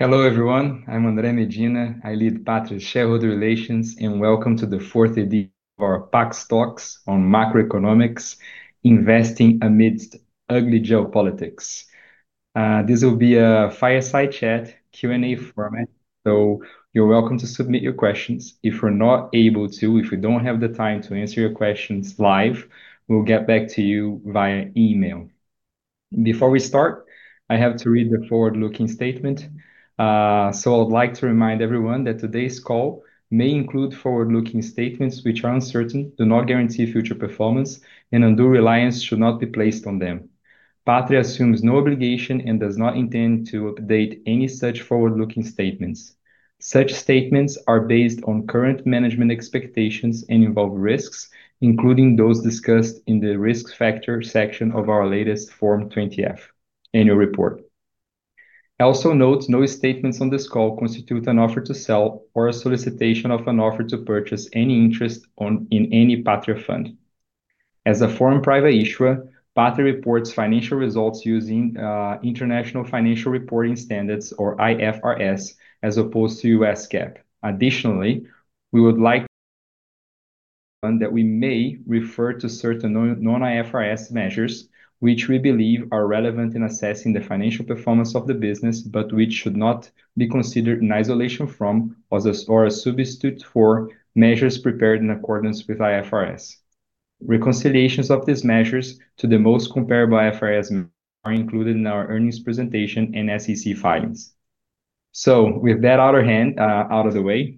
Hello, everyone. I'm Andre Medina. I lead Patria Shareholder Relations, and welcome to the fourth edition of our PAX Talks on Macroeconomics: Investing Amidst Ugly Geopolitics. This will be a fireside chat Q&A format, so you're welcome to submit your questions. If we're not able to, if we don't have the time to answer your questions live, we'll get back to you via email. Before we start, I have to read the forward-looking statement. So I'd like to remind everyone that today's call may include forward-looking statements which are uncertain, do not guarantee future performance, and undue reliance should not be placed on them. Patria assumes no obligation and does not intend to update any such forward-looking statements. Such statements are based on current management expectations and involve risks, including those discussed in the risk factor section of our latest Form 20-F annual report. I also note no statements on this call constitute an offer to sell or a solicitation of an offer to purchase any interest in any Patria fund. As a foreign private issuer, Patria reports financial results using International Financial Reporting Standards, or IFRS, as opposed to US GAAP. Additionally, we would like to note that we may refer to certain non-IFRS measures, which we believe are relevant in assessing the financial performance of the business, but which should not be considered in isolation from or as a substitute for measures prepared in accordance with IFRS. Reconciliations of these measures to the most comparable IFRS measures are included in our earnings presentation and SEC filings. So with that out of the way,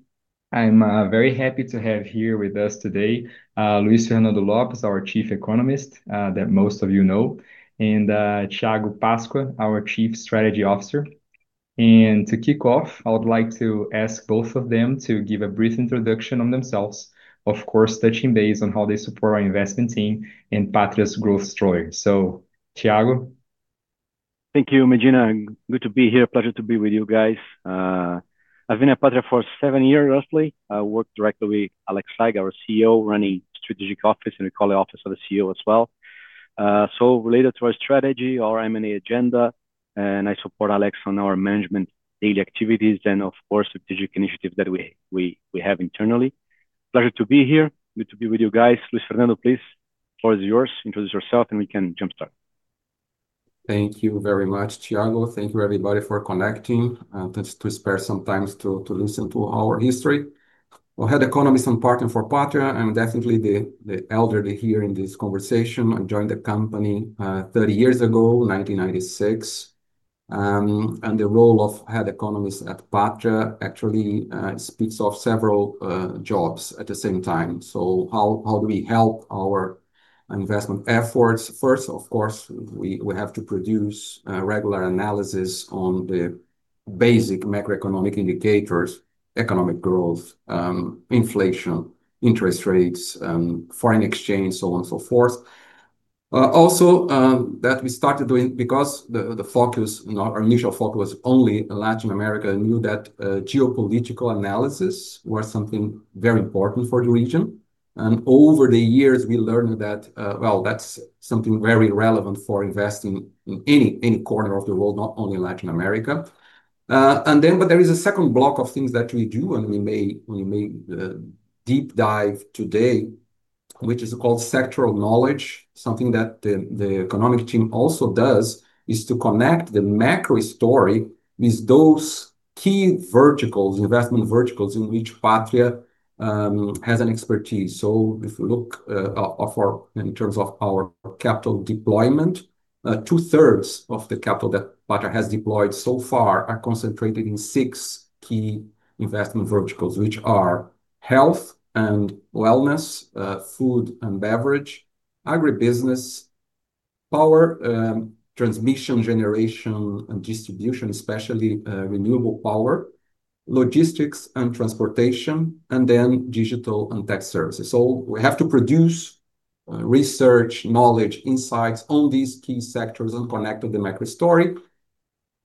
I'm very happy to have here with us today Luis Fernando Lopes, our Chief Economist, that most of you know, and Thiago Pasqua, our Chief Strategy Officer. To kick off, I would like to ask both of them to give a brief introduction of themselves, of course, touching base on how they support our investment team and Patria's growth story. So Thiago. Thank you, Medina. Good to be here. Pleasure to be with you guys. I've been at Patria for seven years, roughly. I work directly with Alex Saigh, our CEO, running the strategic office, and we call it the office of the CEO as well. So related to our strategy, our M&A agenda, and I support Alex on our management daily activities and, of course, strategic initiatives that we have internally. Pleasure to be here. Good to be with you guys. Luis Fernando, please, the floor is yours. Introduce yourself, and we can jump start. Thank you very much, Thiago. Thank you, everybody, for connecting. It's good to spare some time to listen to our history, well, Head Economist and Partner for Patria. I'm definitely the elder here in this conversation. I joined the company 30 years ago, 1996, and the role of head economist at Patria actually speaks of several jobs at the same time, so how do we help our investment efforts? First, of course, we have to produce regular analysis on the basic macroeconomic indicators: economic growth, inflation, interest rates, foreign exchange, so on and so forth. Also, that we started doing because the focus, our initial focus, was only Latin America. Knew that geopolitical analysis was something very important for the region, and over the years, we learned that, well, that's something very relevant for investing in any corner of the world, not only Latin America. And then, but there is a second block of things that we do, and we may deep dive today, which is called sectoral knowledge. Something that the economic team also does is to connect the macro story with those key verticals, investment verticals in which Patria has an expertise. So if we look in terms of our capital deployment, two-thirds of the capital that Patria has deployed so far are concentrated in six key investment verticals, which are health and wellness, food and beverage, agribusiness, power, transmission, generation, and distribution, especially renewable power, logistics and transportation, and then digital and tech services. So we have to produce research, knowledge, insights on these key sectors and connect to the macro story.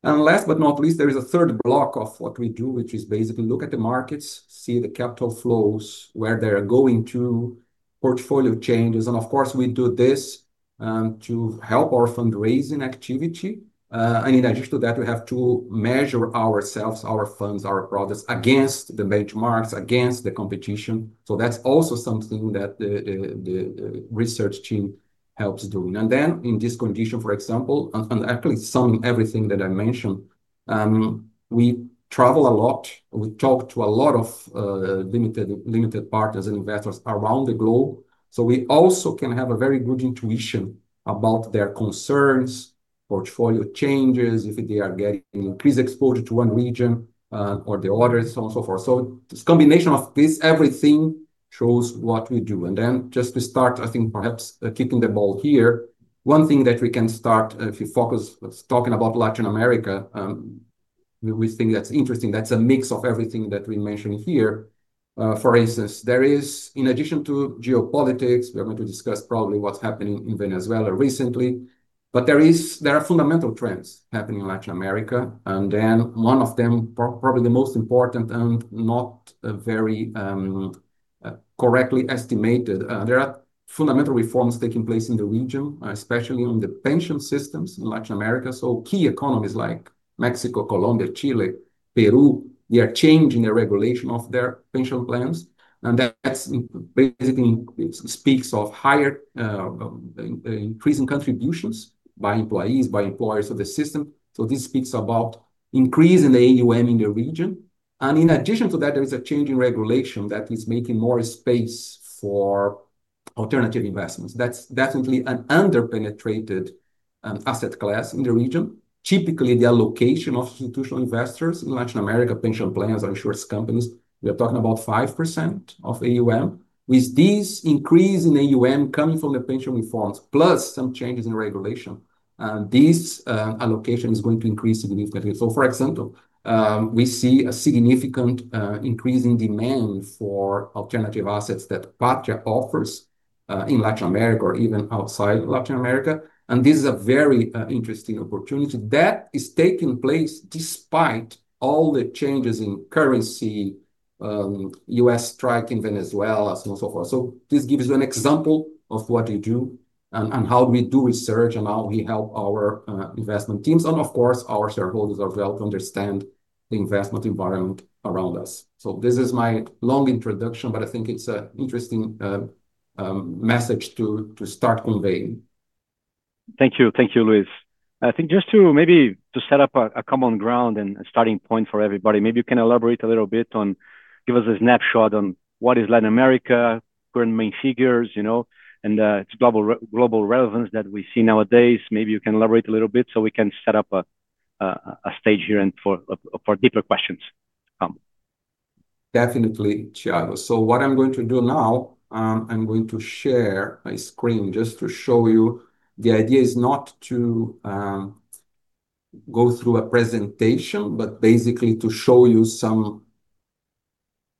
And last but not least, there is a third block of what we do, which is basically look at the markets, see the capital flows, where they're going to, portfolio changes. And of course, we do this to help our fundraising activity. And in addition to that, we have to measure ourselves, our funds, our products against the benchmarks, against the competition. So that's also something that the research team helps do. And then in this condition, for example, and actually summing everything that I mentioned, we travel a lot. We talk to a lot of limited partners and investors around the globe. So we also can have a very good intuition about their concerns, portfolio changes, if they are getting increased exposure to one region or the other, so on and so forth. So this combination of this, everything shows what we do. And then, just to start, I think perhaps keeping the ball here, one thing that we can start if you focus talking about Latin America. We think that's interesting. That's a mix of everything that we mentioned here. For instance, there is, in addition to geopolitics, we are going to discuss probably what's happening in Venezuela recently, but there are fundamental trends happening in Latin America. And then one of them, probably the most important and not very correctly estimated, there are fundamental reforms taking place in the region, especially on the pension systems in Latin America. So key economies like Mexico, Colombia, Chile, Peru, they are changing the regulation of their pension plans. And that basically speaks of higher increasing contributions by employees, by employers of the system. So this speaks about increasing the AUM in the region. In addition to that, there is a change in regulation that is making more space for alternative investments. That's definitely an under-penetrated asset class in the region. Typically, the allocation of institutional investors in Latin America pension plans or insurance companies, we are talking about 5% of AUM. With this increase in AUM coming from the pension reforms, plus some changes in regulation, this allocation is going to increase significantly. For example, we see a significant increase in demand for alternative assets that Patria offers in Latin America or even outside Latin America. This is a very interesting opportunity that is taking place despite all the changes in currency, U.S. strike in Venezuela, so on and so forth. This gives you an example of what we do and how we do research and how we help our investment teams. Of course, our shareholders are well to understand the investment environment around us. This is my long introduction, but I think it's an interesting message to start conveying. Thank you. Thank you, Luis. I think just to maybe set up a common ground and starting point for everybody, maybe you can elaborate a little bit on, give us a snapshot on what is Latin America, current main figures, you know, and its global relevance that we see nowadays. Maybe you can elaborate a little bit so we can set up a stage here for deeper questions to come. Definitely, Thiago. So what I'm going to do now, I'm going to share my screen just to show you. The idea is not to go through a presentation, but basically to show you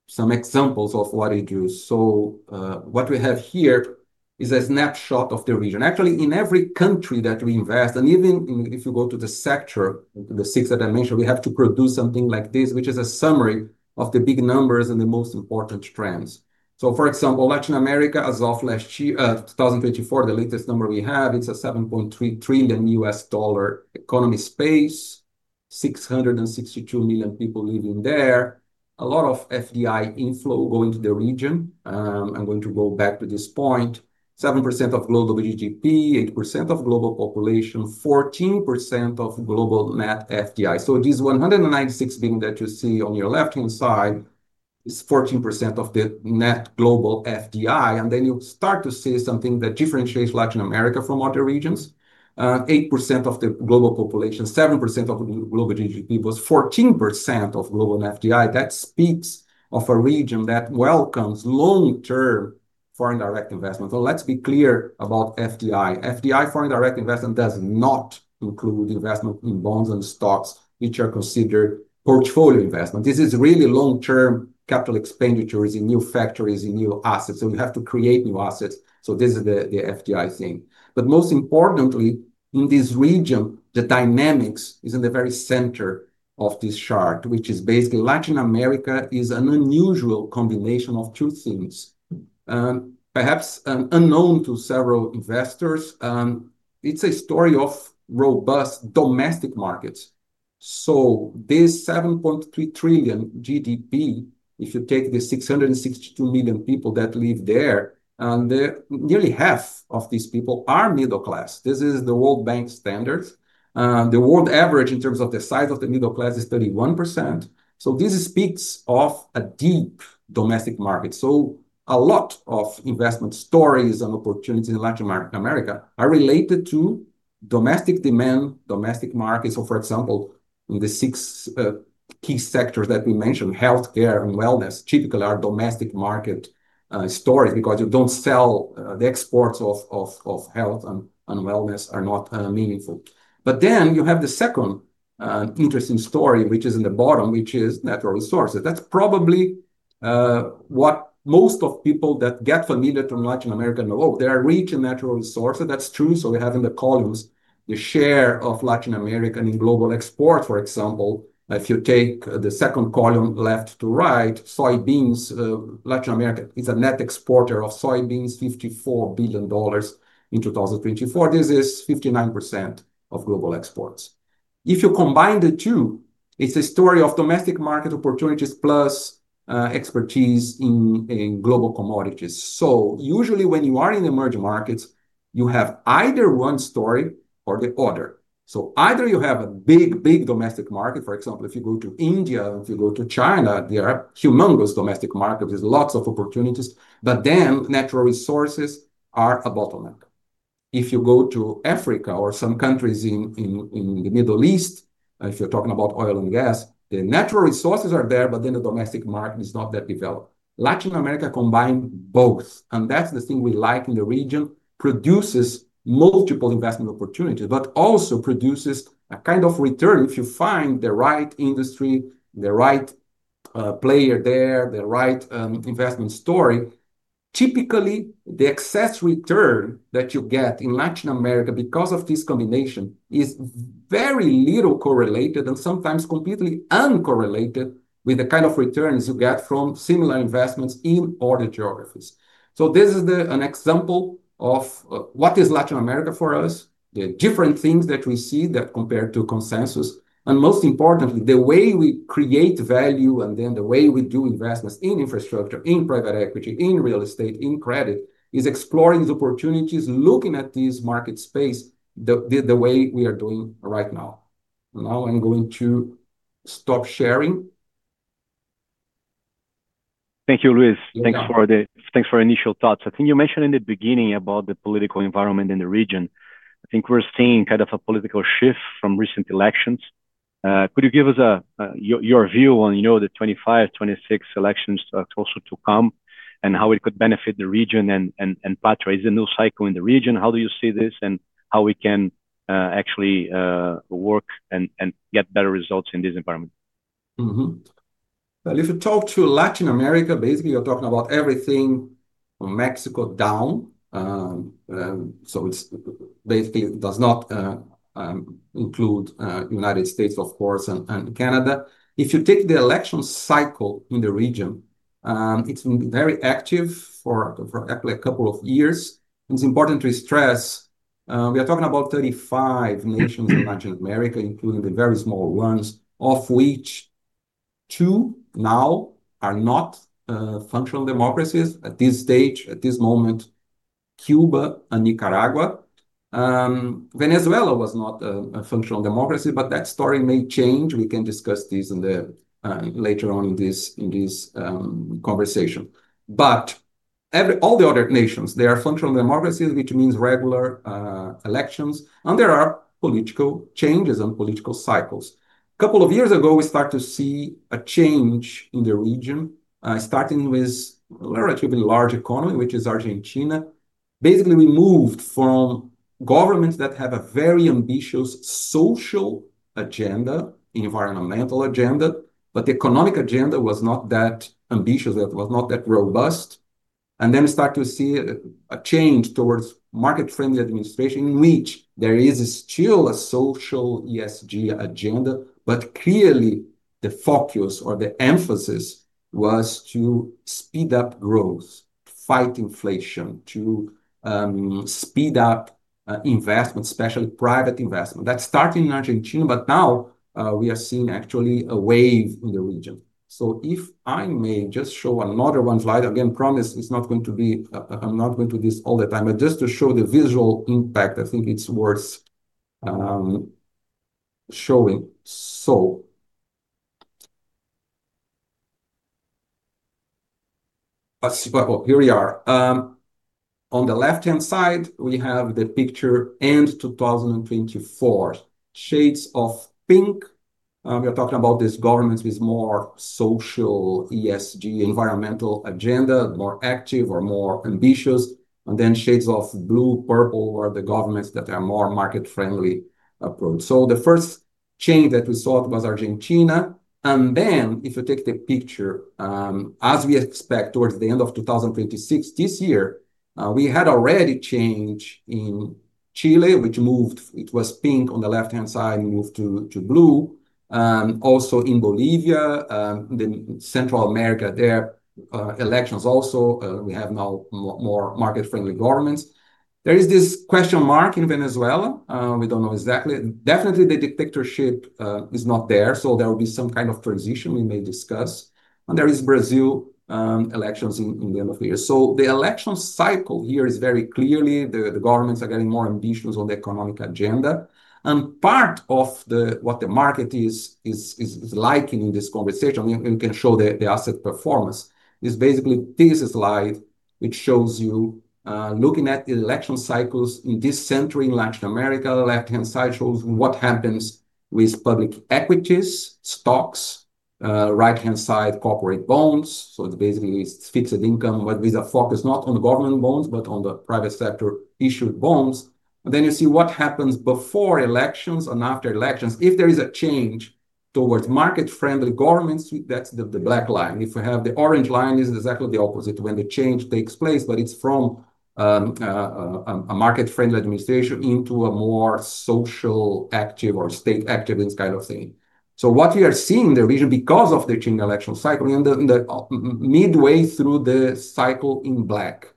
some examples of what it is. So what we have here is a snapshot of the region. Actually, in every country that we invest, and even if you go to the sector, the six that I mentioned, we have to produce something like this, which is a summary of the big numbers and the most important trends. So for example, Latin America as of last year, 2024, the latest number we have, it's a $7.3 trillion economy space, 662 million people living there, a lot of FDI inflow going to the region. I'm going to go back to this point. 7% of global GDP, 8% of global population, 14% of global net FDI. So this $196 billion that you see on your left-hand side is 14% of the net global FDI. And then you start to see something that differentiates Latin America from other regions. 8% of the global population, 7% of global GDP was 14% of global net FDI. That speaks of a region that welcomes long-term foreign direct investment. So let's be clear about FDI. FDI, foreign direct investment does not include investment in bonds and stocks, which are considered portfolio investment. This is really long-term capital expenditures in new factories, in new assets. So you have to create new assets. So this is the FDI thing. But most importantly, in this region, the dynamics is in the very center of this chart, which is basically Latin America is an unusual combination of two things. Perhaps unknown to several investors, it's a story of robust domestic markets. This $7.3 trillion GDP, if you take the 662 million people that live there, nearly half of these people are middle class. This is the World Bank standard. The world average in terms of the size of the middle class is 31%. This speaks of a deep domestic market. A lot of investment stories and opportunities in Latin America are related to domestic demand, domestic markets. For example, in the six key sectors that we mentioned, healthcare and wellness typically are domestic market stories because the exports of health and wellness are not meaningful. But then you have the second interesting story, which is in the bottom, which is natural resources. That's probably what most people that get familiar with Latin America know. They are rich in natural resources. That's true. So we have in the columns the share of Latin America in global exports, for example. If you take the second column left to right, soybeans, Latin America is a net exporter of soybeans, $54 billion in 2024. This is 59% of global exports. If you combine the two, it's a story of domestic market opportunities plus expertise in global commodities. So usually when you are in emerging markets, you have either one story or the other. So either you have a big, big domestic market, for example, if you go to India, if you go to China, there are humongous domestic markets, there's lots of opportunities, but then natural resources are a bottleneck. If you go to Africa or some countries in the Middle East, if you're talking about oil and gas, the natural resources are there, but then the domestic market is not that developed. Latin America combines both, and that's the thing we like in the region, produces multiple investment opportunities, but also produces a kind of return. If you find the right industry, the right player there, the right investment story, typically the excess return that you get in Latin America because of this combination is very little correlated and sometimes completely uncorrelated with the kind of returns you get from similar investments in other geographies, so this is an example of what is Latin America for us, the different things that we see that compare to consensus, and most importantly, the way we create value and then the way we do investments in infrastructure, in private equity, in real estate, in credit is exploring the opportunities, looking at this market space the way we are doing right now. Now I'm going to stop sharing. Thank you, Luis. Thanks for the initial thoughts. I think you mentioned in the beginning about the political environment in the region. I think we're seeing kind of a political shift from recent elections. Could you give us your view on the 2025, 2026 elections also to come and how it could benefit the region and Patria? Is it a new cycle in the region? How do you see this and how we can actually work and get better results in this environment? If you talk to Latin America, basically you're talking about everything from Mexico down. So it basically does not include the United States, of course, and Canada. If you take the election cycle in the region, it's been very active for actually a couple of years. It's important to stress we are talking about 35 nations in Latin America, including the very small ones, of which two now are not functional democracies at this stage, at this moment, Cuba and Nicaragua. Venezuela was not a functional democracy, but that story may change. We can discuss this later on in this conversation. All the other nations, they are functional democracies, which means regular elections, and there are political changes and political cycles. A couple of years ago, we start to see a change in the region, starting with a relatively large economy, which is Argentina. Basically, we moved from governments that have a very ambitious social agenda, environmental agenda, but the economic agenda was not that ambitious, that was not that robust, and then we start to see a change towards market-friendly administration in which there is still a social ESG agenda, but clearly the focus or the emphasis was to speed up growth, to fight inflation, to speed up investment, especially private investment. That started in Argentina, but now we are seeing actually a wave in the region, so if I may just show another one slide, again, promise it's not going to be, I'm not going to do this all the time, but just to show the visual impact, I think it's worth showing. Here we are. On the left-hand side, we have the picture end 2024, shades of pink. We are talking about these governments with more social ESG, environmental agenda, more active or more ambitious, and then shades of blue, purple are the governments that are more market-friendly approach, so the first change that we saw was Argentina, and then if you take the picture, as we expect towards the end of 2026, this year, we had already change in Chile, which moved, it was pink on the left-hand side, moved to blue. Also in Bolivia, Central America, their elections also, we have now more market-friendly governments. There is this question mark in Venezuela. We don't know exactly. Definitely, the dictatorship is not there, so there will be some kind of transition we may discuss, and there is Brazil elections in the end of the year, so the election cycle here is very clearly the governments are getting more ambitious on the economic agenda. Part of what the market is liking in this conversation, we can show the asset performance. It's basically this slide, which shows you looking at the election cycles in this century in Latin America. The left-hand side shows what happens with public equities, stocks, right-hand side corporate bonds. So it's basically fixed income, but with a focus not on government bonds, but on the private sector issued bonds. And then you see what happens before elections and after elections. If there is a change towards market-friendly governments, that's the black line. If we have the orange line, it's exactly the opposite when the change takes place, but it's from a market-friendly administration into a more social, active or state-active kind of thing. So what we are seeing in the region because of the change in election cycle, we're midway through the cycle in black.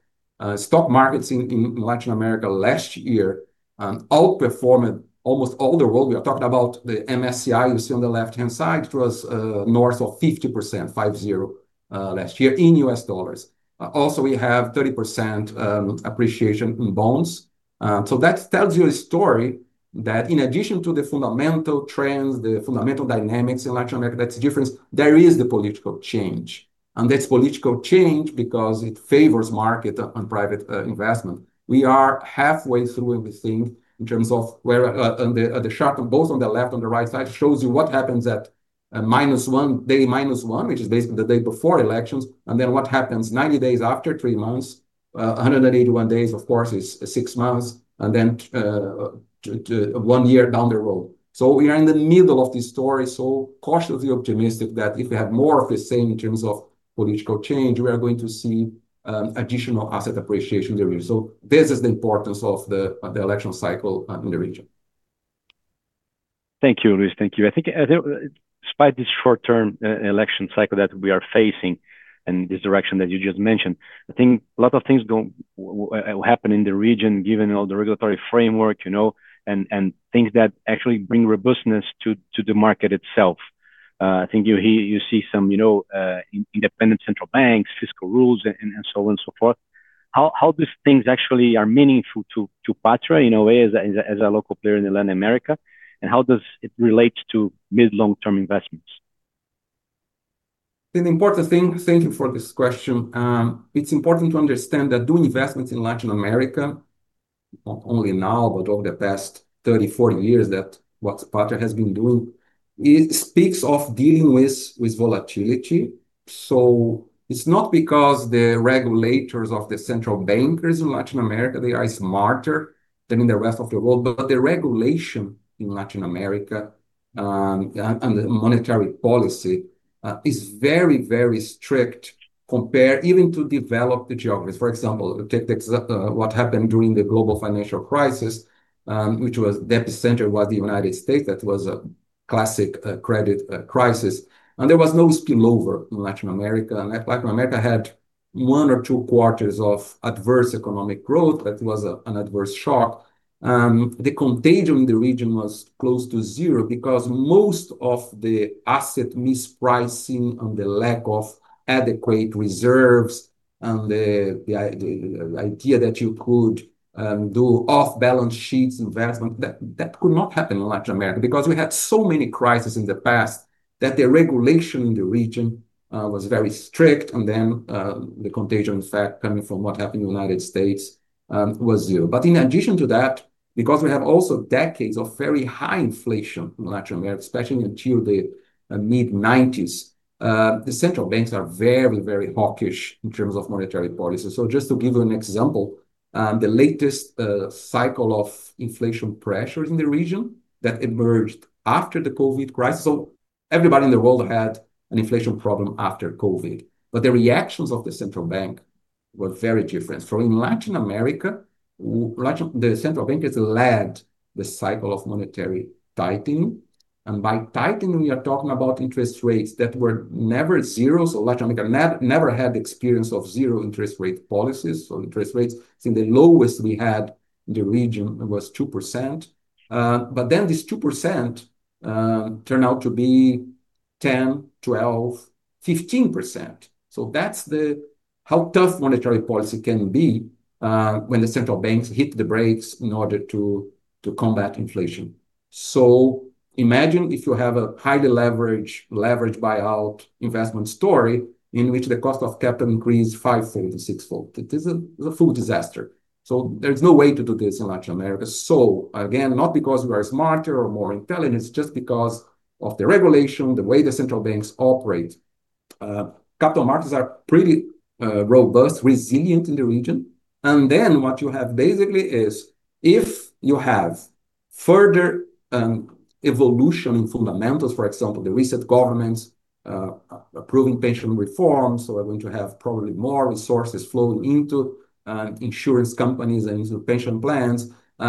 Stock markets in Latin America last year outperformed almost all the world. We are talking about the MSCI you see on the left-hand side. It was north of 50%, 5-0 last year in U.S. dollars. Also, we have 30% appreciation in bonds. So that tells you a story that in addition to the fundamental trends, the fundamental dynamics in Latin America, that's different, there is the political change. And that's political change because it favors market and private investment. We are halfway through, we think, in terms of where on the chart, both on the left, on the right side, shows you what happens at minus one day, minus one, which is basically the day before elections. And then what happens 90 days after three months, 181 days, of course, is six months, and then one year down the road. We are in the middle of this story, so cautiously optimistic that if we have more of the same in terms of political change, we are going to see additional asset appreciation in the region. This is the importance of the election cycle in the region. Thank you, Luis. Thank you. I think despite this short-term election cycle that we are facing and this direction that you just mentioned, I think a lot of things will happen in the region given all the regulatory framework, you know, and things that actually bring robustness to the market itself. I think you see some independent central banks, fiscal rules, and so on and so forth. How these things actually are meaningful to Patria in a way as a local player in Latin America? And how does it relate to mid-long-term investments? It's an important thing. Thank you for this question. It's important to understand that doing investments in Latin America, not only now, but over the past 30, 40 years that what Patria has been doing speaks of dealing with volatility, so it's not because the regulators of the central bankers in Latin America, they are smarter than in the rest of the world, but the regulation in Latin America and the monetary policy is very, very strict compared even to developed geographies. For example, take what happened during the global financial crisis, which was the epicenter was the United States. That was a classic credit crisis, and there was no spillover in Latin America. Latin America had one or two quarters of adverse economic growth. That was an adverse shock. The contagion in the region was close to zero because most of the asset mispricing and the lack of adequate reserves and the idea that you could do off-balance sheets investment, that could not happen in Latin America because we had so many crises in the past that the regulation in the region was very strict. And then the contagion effect coming from what happened in the United States was zero. But in addition to that, because we have also decades of very high inflation in Latin America, especially until the mid-90s, the central banks are very, very hawkish in terms of monetary policy. So just to give you an example, the latest cycle of inflation pressures in the region that emerged after the COVID crisis. So everybody in the world had an inflation problem after COVID, but the reactions of the central bank were very different. So in Latin America, the central bankers led the cycle of monetary tightening. And by tightening, we are talking about interest rates that were never zero. So Latin America never had the experience of zero interest rate policies. So interest rates, I think the lowest we had in the region was 2%. But then this 2% turned out to be 10, 12, 15%. So that's how tough monetary policy can be when the central banks hit the brakes in order to combat inflation. So imagine if you have a highly leveraged buyout investment story in which the cost of capital increased fivefold, sixfold. It is a full disaster. So there's no way to do this in Latin America. So again, not because we are smarter or more intelligent, it's just because of the regulation, the way the central banks operate. Capital markets are pretty robust, resilient in the region. Then what you have basically is if you have further evolution in fundamentals, for example, the recent governments approving pension reforms, so we're going to have probably more resources flowing into insurance companies and into pension plans. The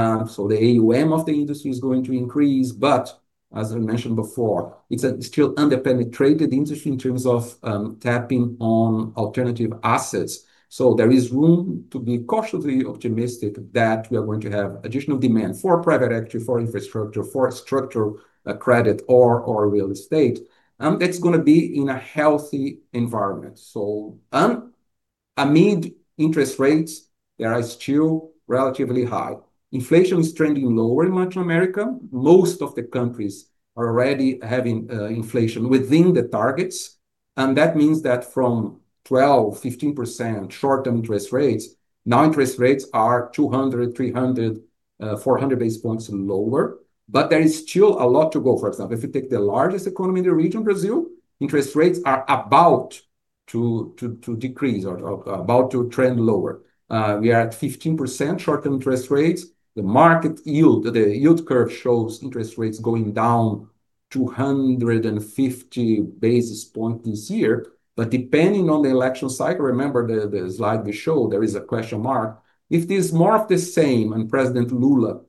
AUM of the industry is going to increase, but as I mentioned before, it's still underpenetrated industry in terms of tapping on alternative assets. There is room to be cautiously optimistic that we are going to have additional demand for private equity, for infrastructure, for structural credit or real estate. That's going to be in a healthy environment. Amid interest rates, they are still relatively high. Inflation is trending lower in Latin America. Most of the countries are already having inflation within the targets. That means that from 12%-15% short-term interest rates, now interest rates are 200, 300, 400 basis points lower, but there is still a lot to go. For example, if you take the largest economy in the region, Brazil, interest rates are about to decrease or about to trend lower. We are at 15% short-term interest rates. The market yield, the yield curve shows interest rates going down 250 basis points this year. But depending on the election cycle, remember the slide we showed, there is a question mark. If this is more of the same and President Lula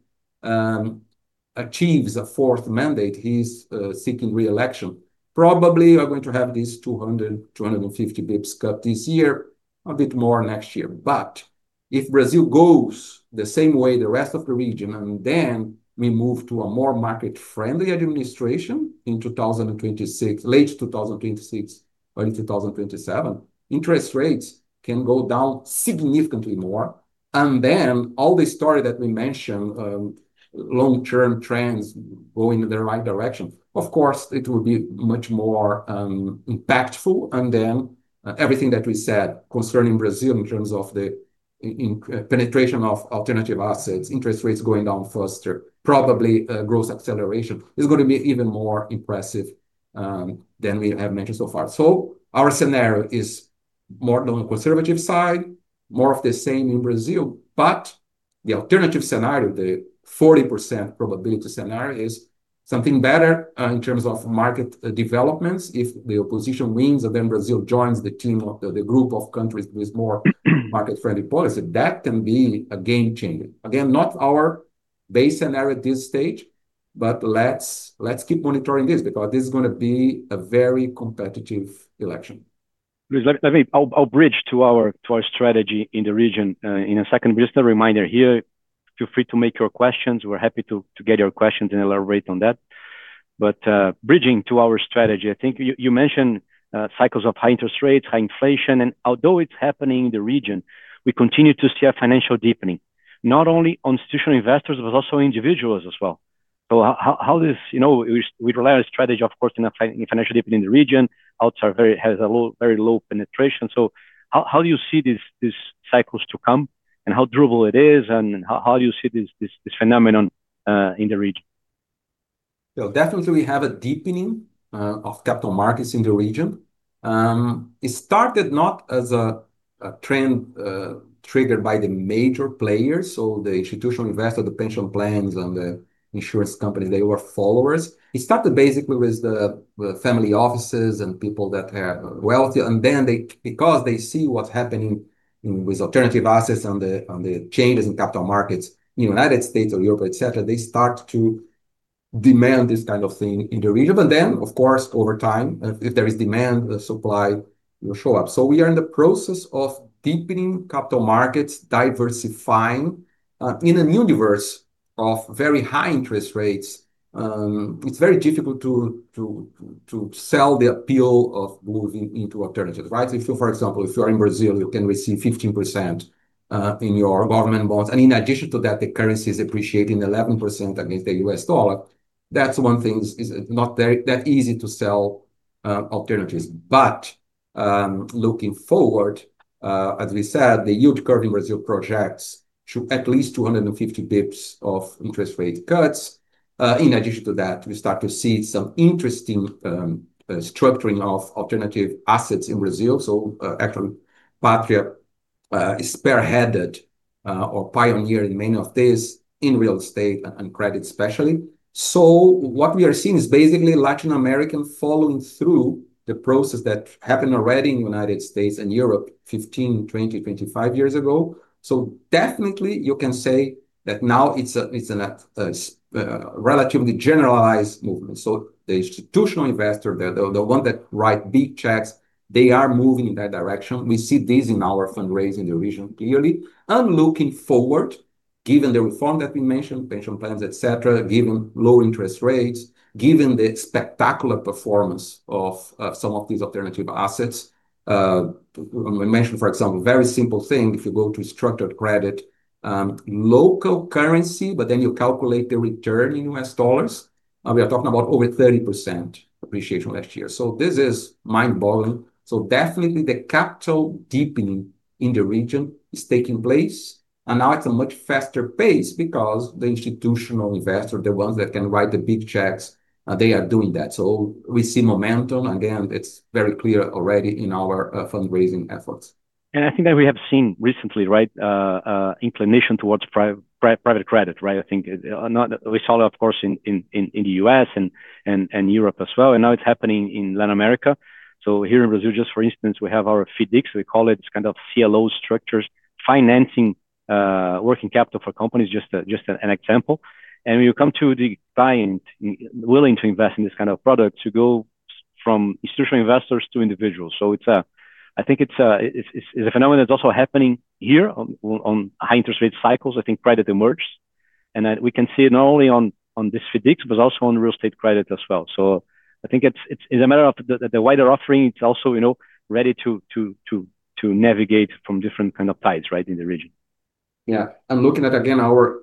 achieves a fourth mandate, he's seeking reelection, probably we're going to have this 200-250 basis points cut this year, a bit more next year. But if Brazil goes the same way the rest of the region and then we move to a more market-friendly administration in 2026, late 2026, early 2027, interest rates can go down significantly more. And then all the story that we mentioned, long-term trends going in the right direction, of course, it will be much more impactful. And then everything that we said concerning Brazil in terms of the penetration of alternative assets, interest rates going down faster, probably growth acceleration is going to be even more impressive than we have mentioned so far. So our scenario is more on the conservative side, more of the same in Brazil, but the alternative scenario, the 40% probability scenario is something better in terms of market developments. If the opposition wins and then Brazil joins the team of the group of countries with more market-friendly policy, that can be a game changer. Again, not our base scenario at this stage, but let's keep monitoring this because this is going to be a very competitive election. I mean, I'll bridge to our strategy in the region in a second. Just a reminder here, feel free to make your questions. We're happy to get your questions and elaborate on that. But bridging to our strategy, I think you mentioned cycles of high interest rates, high inflation, and although it's happening in the region, we continue to see a financial deepening, not only on institutional investors, but also individuals as well. So how does, you know, we rely on a strategy, of course, in financial deepening in the region? Outside has a very low penetration. So how do you see these cycles to come and how durable it is and how do you see this phenomenon in the region? So definitely we have a deepening of capital markets in the region. It started not as a trend triggered by the major players. So the institutional investor, the pension plans and the insurance companies, they were followers. It started basically with the family offices and people that are wealthy. And then because they see what's happening with alternative assets and the changes in capital markets in the United States or Europe, et cetera, they start to demand this kind of thing in the region. But then, of course, over time, if there is demand, the supply will show up. So we are in the process of deepening capital markets, diversifying in a universe of very high interest rates. It's very difficult to sell the appeal of moving into alternatives, right? If you, for example, if you are in Brazil, you can receive 15% in your government bonds. In addition to that, the currency is appreciating 11% against the U.S. dollar. That's one thing that is not that easy to sell alternatives. But looking forward, as we said, the yield curve in Brazil projects to at least 250 basis points of interest rate cuts. In addition to that, we start to see some interesting structuring of alternative assets in Brazil. So actually, Patria is spearheaded or pioneered in many of these in real estate and credit especially. So what we are seeing is basically Latin America is following through the process that happened already in the United States and Europe 15, 20, 25 years ago. So definitely you can say that now it's a relatively generalized movement. So the institutional investor, the one that writes big checks, they are moving in that direction. We see this in our fundraising in the region clearly. And looking forward, given the reform that we mentioned, pension plans, et cetera, given low interest rates, given the spectacular performance of some of these alternative assets. We mentioned, for example, a very simple thing. If you go to structured credit, local currency, but then you calculate the return in US dollars, we are talking about over 30% appreciation last year. So this is mind-blowing. So definitely the capital deepening in the region is taking place. And now it's a much faster pace because the institutional investor, the ones that can write the big checks, they are doing that. So we see momentum. Again, it's very clear already in our fundraising efforts. And I think that we have seen recently, right, inclination toward private credit, right? I think we saw it, of course, in the U.S. and Europe as well. And now it's happening in Latin America. So here in Brazil, just for instance, we have our FIDCs. We call it kind of CLO structures, financing working capital for companies, just an example. And when you come to the client willing to invest in this kind of product, you go from institutional investors to individuals. So I think it's a phenomenon that's also happening here on high interest rate cycles. I think credit emerges. And we can see it not only on this FIDCs, but also on real estate credit as well. So I think it's a matter of the wider offering. It's also ready to navigate from different kinds of tides, right, in the region. Yeah. And looking at, again, our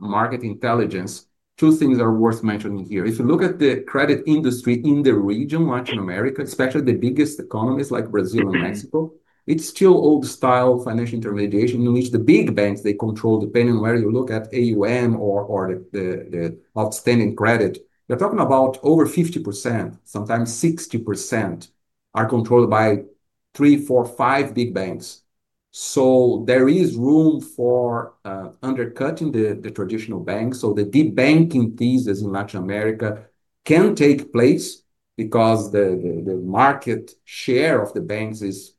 market intelligence, two things are worth mentioning here. If you look at the credit industry in the region, Latin America, especially the biggest economies like Brazil and Mexico, it's still old-style financial intermediation, in which the big banks, they control, depending on where you look at AUM or the outstanding credit. We're talking about over 50%, sometimes 60% are controlled by three, four, five big banks. So there is room for undercutting the traditional banks. So the de-banking thesis in Latin America can take place because the market share of the banks is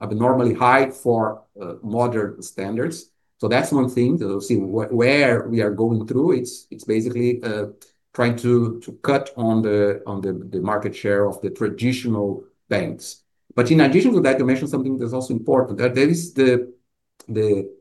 abnormally high for modern standards. So that's one thing that we'll see where we are going through. It's basically trying to cut on the market share of the traditional banks. But in addition to that, you mentioned something that's also important. That is, the new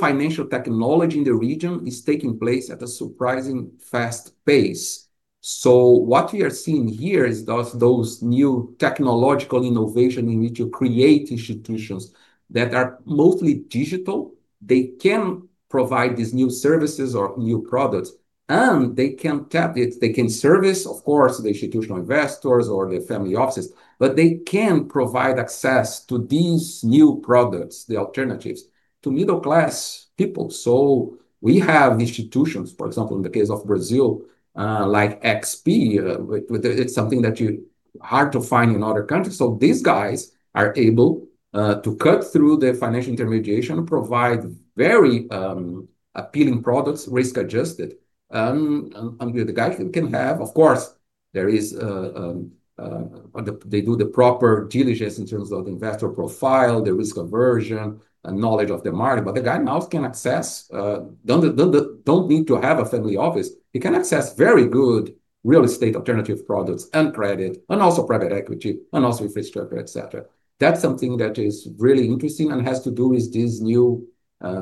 financial technology in the region is taking place at a surprisingly fast pace. So what we are seeing here is those new technological innovations in which you create institutions that are mostly digital. They can provide these new services or new products, and they can tap it. They can service, of course, the institutional investors or the family offices, but they can provide access to these new products, the alternatives, to middle-class people. So we have institutions, for example, in the case of Brazil, like XP. It's something that you're hard to find in other countries. So these guys are able to cut through the financial intermediation, provide very appealing products, risk-adjusted, and the guy can have, of course, there is they do the proper diligence in terms of the investor profile, the risk aversion, and knowledge of the market. But the guy now can access. Don't need to have a family office. He can access very good real estate alternative products and credit and also private equity and also infrastructure, et cetera. That's something that is really interesting and has to do with this new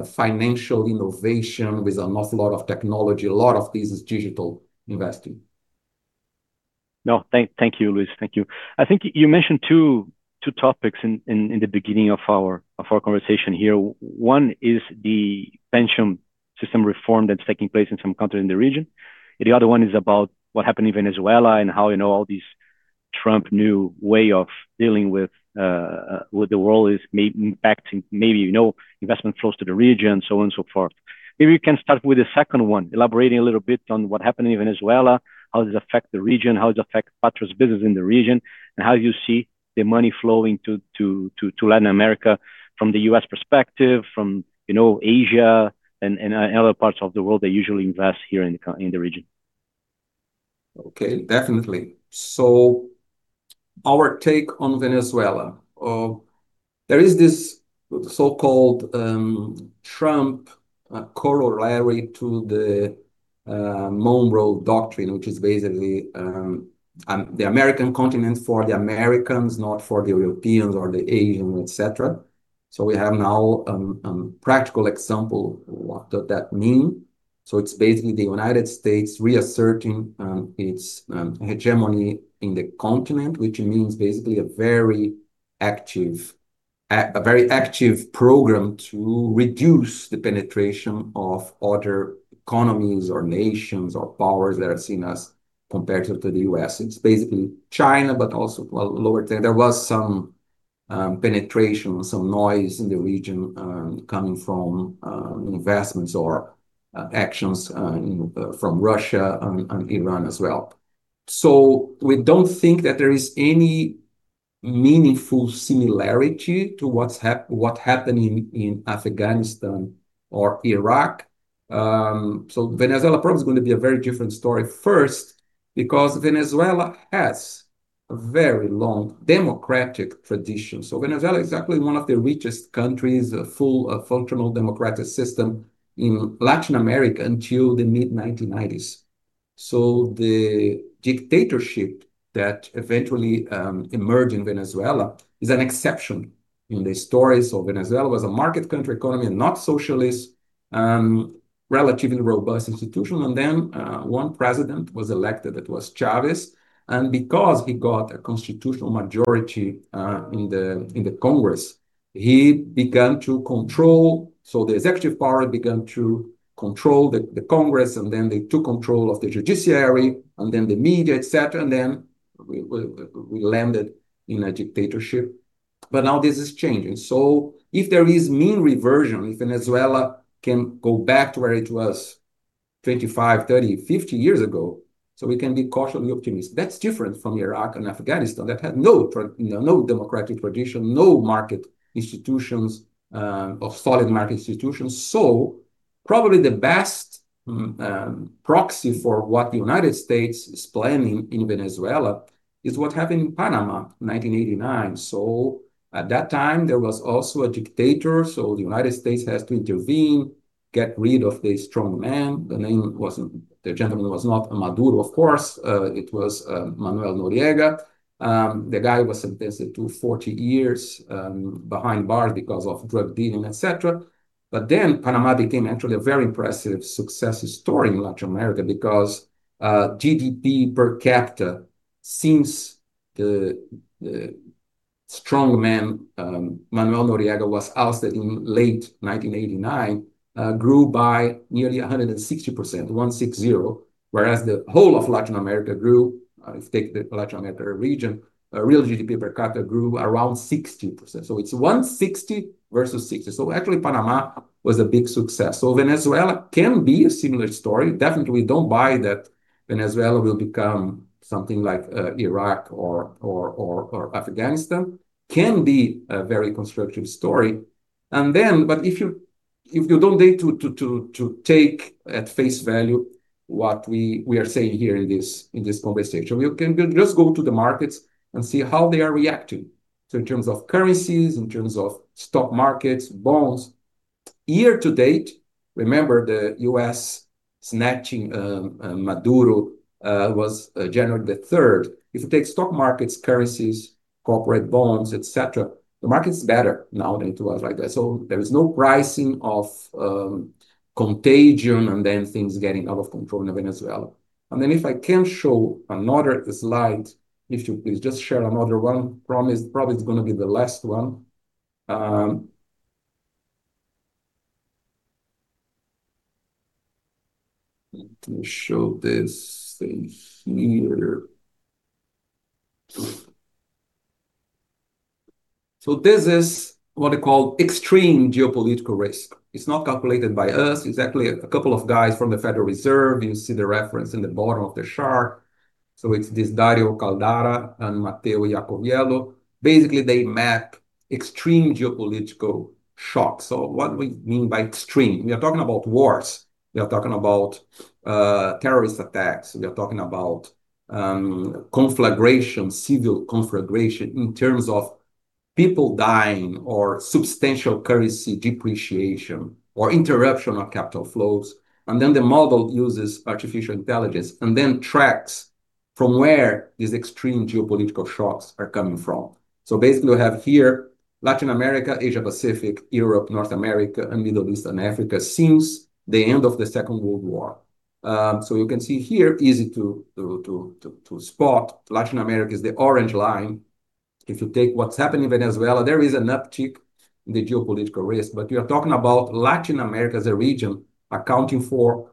financial innovation with an awful lot of technology. A lot of this is digital investing. No, thank you, Luis. Thank you. I think you mentioned two topics in the beginning of our conversation here. One is the pension system reform that's taking place in some countries in the region. The other one is about what happened in Venezuela and how all this Trump's new way of dealing with the world is impacting maybe investment flows to the region, so on and so forth. Maybe we can start with the second one, elaborating a little bit on what happened in Venezuela, how does it affect the region, how does it affect Patria's business in the region, and how you see the money flowing to Latin America from the U.S. perspective, from Asia and other parts of the world that usually invest here in the region. Okay, definitely. So our take on Venezuela, there is this so-called Trump corollary to the Monroe Doctrine, which is basically the American continent for the Americans, not for the Europeans or the Asians, et cetera. So we have now a practical example of what does that mean. So it's basically the United States reasserting its hegemony in the continent, which means basically a very active program to reduce the penetration of other economies or nations or powers that are seen as competitive to the U.S. It's basically China, but also lower tech. There was some penetration, some noise in the region coming from investments or actions from Russia and Iran as well. So we don't think that there is any meaningful similarity to what's happening in Afghanistan or Iraq. So Venezuela probably is going to be a very different story first because Venezuela has a very long democratic tradition. Venezuela is exactly one of the richest countries, a fully functional democratic system in Latin America until the mid-1990s. The dictatorship that eventually emerged in Venezuela is an exception in the history of Venezuela. It was a market economy, not socialist, with relatively robust institutions. One president was elected. It was Chávez. Because he got a constitutional majority in the Congress, he began to control it. The executive power began to control the Congress, and then they took control of the judiciary and then the media, et cetera. We landed in a dictatorship. But now this is changing. If there is mean reversion, if Venezuela can go back to where it was 25, 30, 50 years ago, we can be cautiously optimistic. That's different from Iraq and Afghanistan that had no democratic tradition, no market institutions or solid market institutions. Probably the best proxy for what the United States is planning in Venezuela is what happened in Panama in 1989. At that time, there was also a dictator. The United States has to intervene, get rid of the strong man. The name wasn't the gentleman was not Maduro, of course. It was Manuel Noriega. The guy was sentenced to 40 years behind bars because of drug dealing, et cetera. But then Panama became actually a very impressive success story in Latin America because GDP per capita since the strong man, Manuel Noriega, was ousted in late 1989, grew by nearly 160%, 160, whereas the whole of Latin America grew. If you take the Latin America region, real GDP per capita grew around 60%. So it's 160 versus 60. Actually, Panama was a big success. Venezuela can be a similar story. Definitely, we don't buy that Venezuela will become something like Iraq or Afghanistan. Can be a very constructive story. And then, but if you don't dare to take at face value what we are saying here in this conversation, we can just go to the markets and see how they are reacting in terms of currencies, in terms of stock markets, bonds. Year to date, remember the U.S. sanctioning Maduro was January the 3rd. If you take stock markets, currencies, corporate bonds, et cetera, the market is better now than it was like that. So there is no pricing of contagion and then things getting out of control in Venezuela. And then if I can show another slide, if you please just share another one, promise probably it's going to be the last one. Let me show this thing here. So this is what they call extreme geopolitical risk. It's not calculated by us. It's actually a couple of guys from the Federal Reserve. You see the reference in the bottom of the chart, so it's this Dario Caldara and Matteo Iacoviello. Basically, they map extreme geopolitical shocks, so what do we mean by extreme? We are talking about wars. We are talking about terrorist attacks. We are talking about civil conflagration in terms of people dying or substantial currency depreciation or interruption of capital flows, and then the model uses artificial intelligence and then tracks from where these extreme geopolitical shocks are coming from, so basically, we have here Latin America, Asia Pacific, Europe, North America, and Middle East and Africa since the end of the Second World War, so you can see here, easy to spot, Latin America is the orange line. If you take what's happened in Venezuela, there is an uptick in the geopolitical risk, but we are talking about Latin America as a region accounting for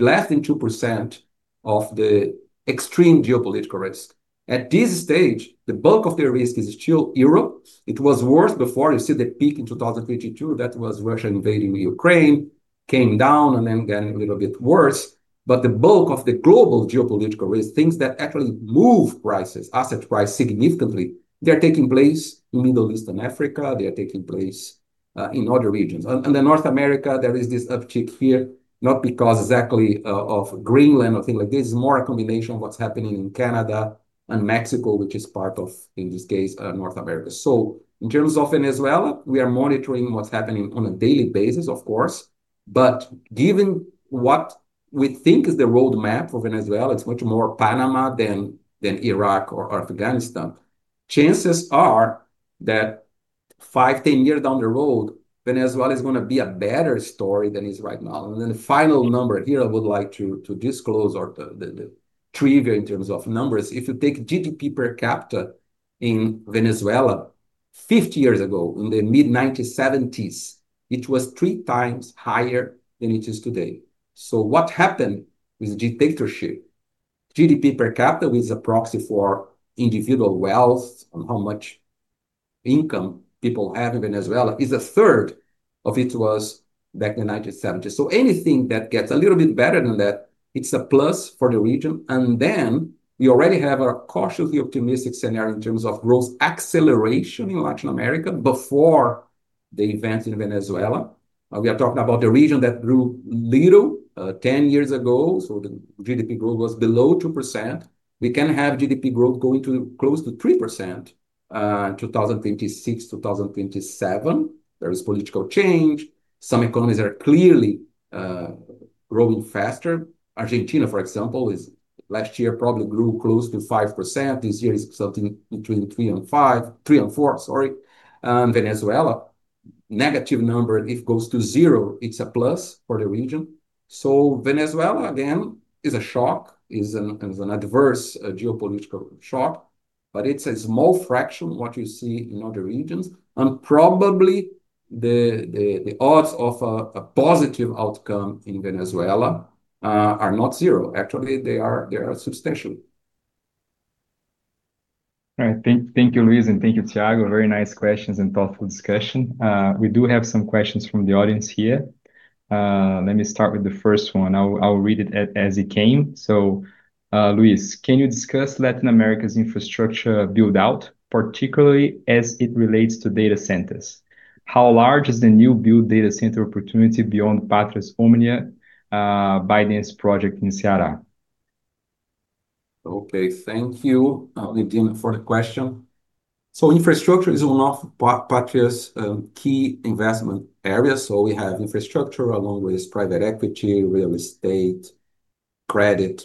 less than 2% of the extreme geopolitical risk. At this stage, the bulk of the risk is still Europe. It was worse before. You see the peak in 2022 that was Russia invading Ukraine came down and then got a little bit worse, but the bulk of the global geopolitical risk, things that actually move prices, asset prices significantly, they're taking place in Middle East and Africa. They're taking place in other regions, and in North America, there is this uptick here, not because exactly of Greenland or things like this. It's more a combination of what's happening in Canada and Mexico, which is part of, in this case, North America. In terms of Venezuela, we are monitoring what's happening on a daily basis, of course. But given what we think is the roadmap for Venezuela, it's much more Panama than Iraq or Afghanistan. Chances are that five, 10 years down the road, Venezuela is going to be a better story than it is right now. And then the final number here, I would like to disclose or the trivia in terms of numbers. If you take GDP per capita in Venezuela 50 years ago in the mid-1970s, it was three times higher than it is today. So what happened with dictatorship? GDP per capita as a proxy for individual wealth and how much income people have in Venezuela is a third of it was back in the 1970s. So anything that gets a little bit better than that, it's a plus for the region. And then we already have a cautiously optimistic scenario in terms of growth acceleration in Latin America before the events in Venezuela. We are talking about the region that grew little 10 years ago. So the GDP growth was below 2%. We can have GDP growth going to close to 3% in 2026, 2027. There is political change. Some economies are clearly growing faster. Argentina, for example, last year probably grew close to 5%. This year is something between 3% and 5%, 3% and 4%, sorry. And Venezuela, negative number, if it goes to zero, it's a plus for the region. So Venezuela, again, is a shock, is an adverse geopolitical shock, but it's a small fraction of what you see in other regions. And probably the odds of a positive outcome in Venezuela are not zero. Actually, they are substantial. All right. Thank you, Luis, and thank you, Thiago. Very nice questions and thoughtful discussion. We do have some questions from the audience here. Let me start with the first one. I'll read it as it came. So, Luis, can you discuss Latin America's infrastructure build-out, particularly as it relates to data centers? How large is the new build data center opportunity beyond Patria's Omnia finance project in Ceará? Okay, thank you, Argentina, for the question. So infrastructure is one of Patria's key investment areas. So we have infrastructure along with private equity, real estate, credit,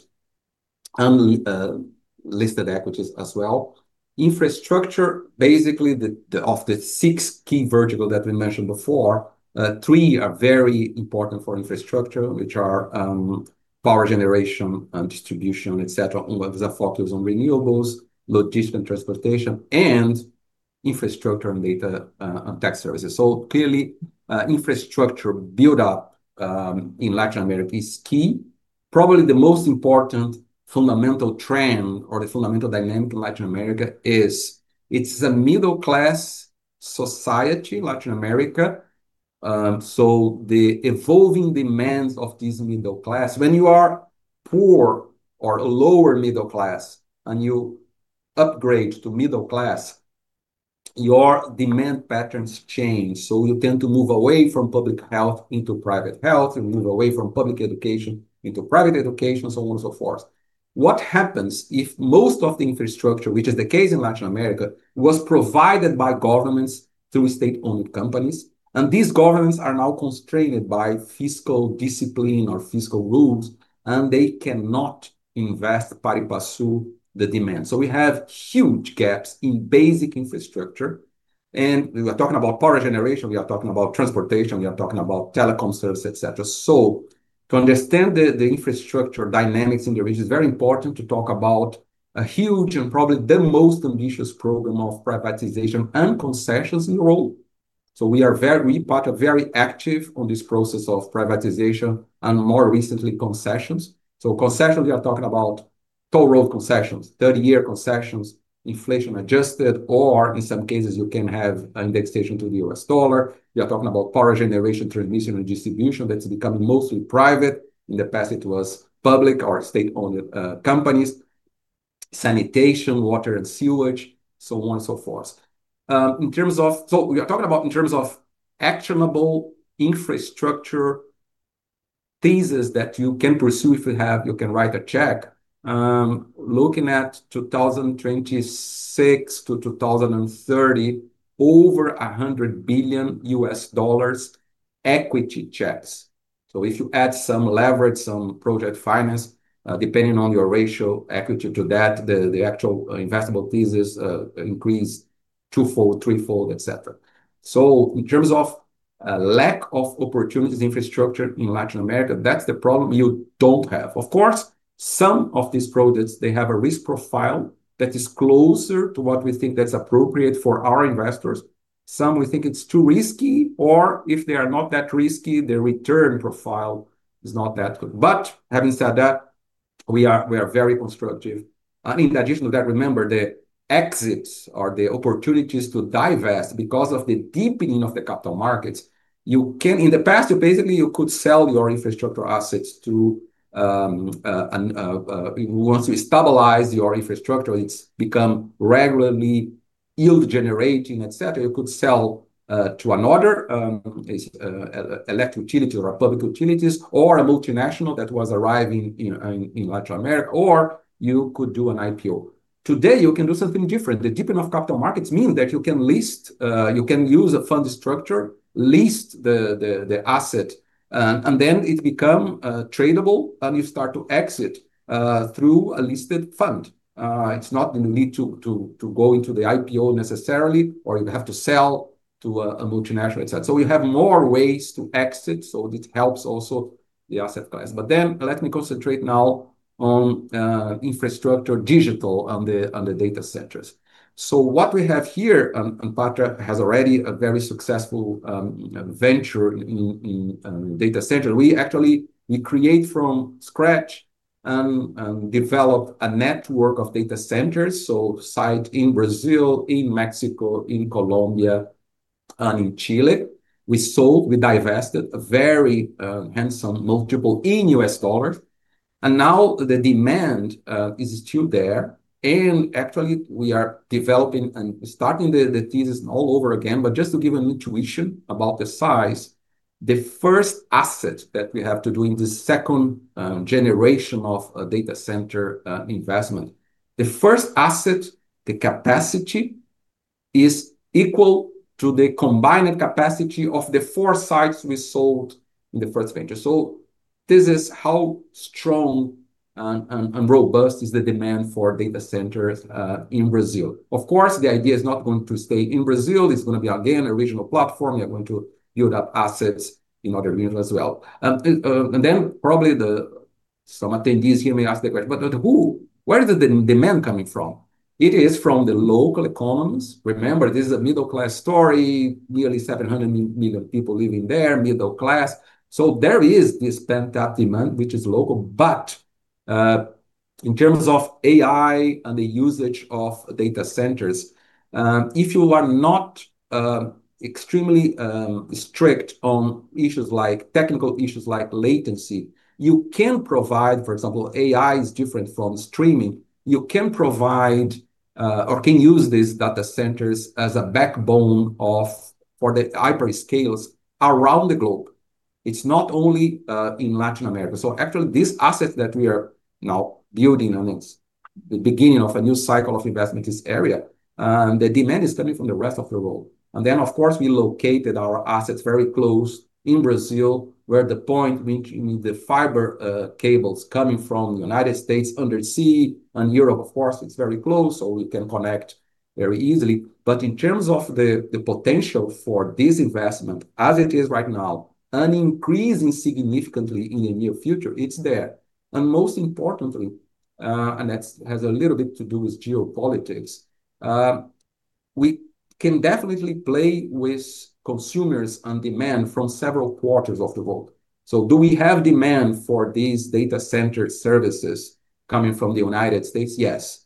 and listed equities as well. Infrastructure, basically of the six key verticals that we mentioned before, three are very important for infrastructure, which are power generation and distribution, et cetera. There's a focus on renewables, logistics, and transportation, and infrastructure and data and tech services. So clearly, infrastructure build-up in Latin America is key. Probably the most important fundamental trend or the fundamental dynamic in Latin America is it's a middle-class society, Latin America. So the evolving demands of this middle class, when you are poor or lower middle class and you upgrade to middle class, your demand patterns change. You tend to move away from public health into private health and move away from public education into private education, so on and so forth. What happens if most of the infrastructure, which is the case in Latin America, was provided by governments through state-owned companies? And these governments are now constrained by fiscal discipline or fiscal rules, and they cannot invest, pari passu, the demand. We have huge gaps in basic infrastructure. And we are talking about power generation. We are talking about transportation. We are talking about telecom services, et cetera. To understand the infrastructure dynamics in the region, it's very important to talk about a huge and probably the most ambitious program of privatization and concessions in Brazil. We are very much a part of and very active on this process of privatization and, more recently, concessions. So concessions, we are talking about toll road concessions, 30-year concessions, inflation-adjusted, or in some cases, you can have an indexation to the U.S. dollar. We are talking about power generation, transmission, and distribution that's becoming mostly private. In the past, it was public or state-owned companies. Sanitation, water and sewage, so on and so forth. So we are talking about in terms of actionable infrastructure theses that you can pursue if you have, you can write a check. Looking at 2026 to 2030, over $100 billion equity checks. So if you add some leverage, some project finance, depending on your ratio equity to that, the actual investable thesis increase twofold, threefold, et cetera. So in terms of lack of opportunities, infrastructure in Latin America, that's the problem you don't have. Of course, some of these projects, they have a risk profile that is closer to what we think that's appropriate for our investors. Some we think it's too risky, or if they are not that risky, the return profile is not that good. But having said that, we are very constructive. And in addition to that, remember the exits or the opportunities to divest because of the deepening of the capital markets. You can, in the past, you basically could sell your infrastructure assets to, once you stabilize your infrastructure, it's become regularly yield-generating, et cetera. You could sell to another electric utility or public utilities or a multinational that was arriving in Latin America, or you could do an IPO. Today, you can do something different. The deepening of capital markets means that you can list, you can use a fund structure, list the asset, and then it becomes tradable, and you start to exit through a listed fund. It's not the need to go into the IPO necessarily, or you have to sell to a multinational, et cetera. So you have more ways to exit. So this helps also the asset class. But then let me concentrate now on infrastructure, digital on the data centers. So what we have here, and Patria has already a very successful venture in data centers. We actually, we create from scratch and develop a network of data centers, so sites in Brazil, in Mexico, in Colombia, and in Chile. We sold, we divested a very handsome multiple in U.S. dollars. And now the demand is still there. And actually, we are developing and starting the thesis all over again. But just to give an intuition about the size, the first asset that we have to do in the second generation of data center investment, the first asset, the capacity is equal to the combined capacity of the four sites we sold in the first venture. So this is how strong and robust is the demand for data centers in Brazil. Of course, the idea is not going to stay in Brazil. It's going to be again a regional platform. You're going to build up assets in other regions as well. And then probably some attendees here may ask the question, but who, where is the demand coming from? It is from the local economies. Remember, this is a middle-class story, nearly 700 million people living there, middle class. So there is this pent-up demand, which is local. But in terms of AI and the usage of data centers, if you are not extremely strict on issues like technical issues like latency, you can provide, for example, AI is different from streaming. You can provide or can use these data centers as a backbone for the hyperscalers around the globe. It's not only in Latin America. So actually, this asset that we are now building on is the beginning of a new cycle of investment in this area. And the demand is coming from the rest of the world. And then, of course, we located our assets very close in Brazil, where the point in which the fiber cables coming from the United States undersea and Europe, of course, it's very close, so we can connect very easily. But in terms of the potential for this investment, as it is right now, and increasing significantly in the near future, it's there. And most importantly, and that has a little bit to do with geopolitics, we can definitely play with consumers and demand from several quarters of the world. So do we have demand for these data center services coming from the United States? Yes.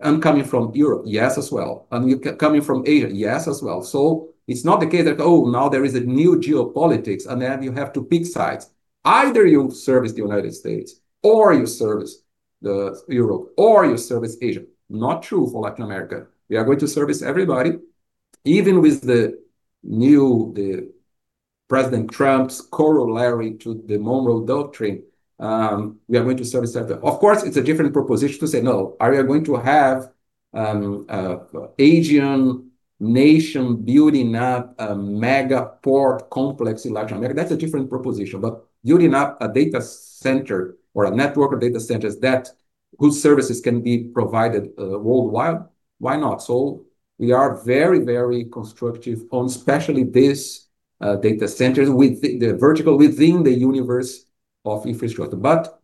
And coming from Europe? Yes as well. And coming from Asia? Yes as well. So it's not the case that, oh, now there is a new geopolitics, and then you have to pick sides. Either you service the United States, or you service Europe, or you service Asia. Not true for Latin America. We are going to service everybody, even with the new President Trump's corollary to the Monroe Doctrine, we are going to service everybody. Of course, it's a different proposition to say, no, are we going to have an Asian nation building up a mega port complex in Latin America? That's a different proposition. But building up a data center or a network of data centers whose services can be provided worldwide, why not? So we are very, very constructive on especially these data centers with the vertical within the universe of infrastructure. But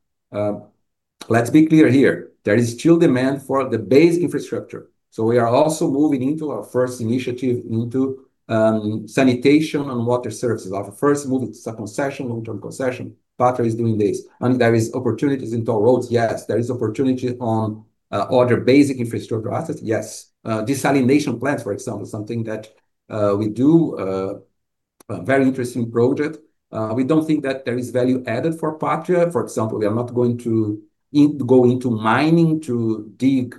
let's be clear here. There is still demand for the basic infrastructure. So we are also moving into our first initiative into sanitation and water services. Our first move is a concession, long-term concession. Patria is doing this. And there are opportunities in toll roads. Yes, there is opportunity on other basic infrastructure assets. Yes. Desalination plants, for example, something that we do, a very interesting project. We don't think that there is value added for Patria. For example, we are not going to go into mining to dig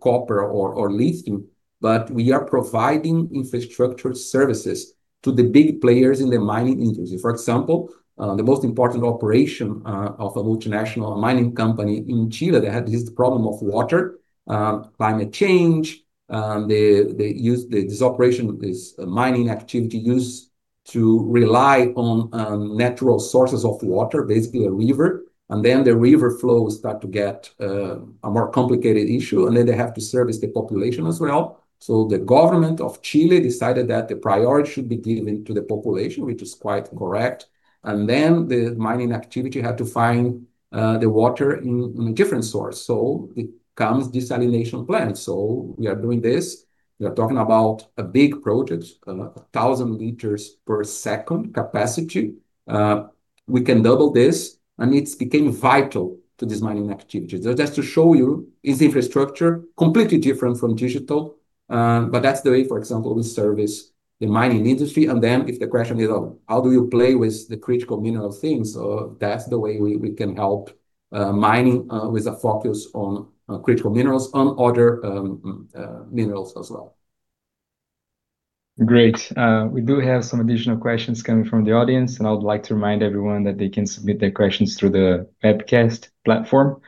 copper or lithium, but we are providing infrastructure services to the big players in the mining industry. For example, the most important operation of a multinational mining company in Chile. They had this problem of water, climate change. This operation, this mining activity used to rely on natural sources of water, basically a river, and then the river flow starts to get a more complicated issue. And then they have to service the population as well. So the government of Chile decided that the priority should be given to the population, which is quite correct. And then the mining activity had to find the water in a different source. So it comes to desalination plants. So we are doing this. We are talking about a big project, 1,000 liters per second capacity. We can double this. And it became vital to this mining activity. So just to show you, it's infrastructure completely different from digital. But that's the way, for example, we service the mining industry. And then if the question is, how do you play with the critical mineral things? So that's the way we can help mining with a focus on critical minerals and other minerals as well. Great. We do have some additional questions coming from the audience. And I would like to remind everyone that they can submit their questions through the webcast platform.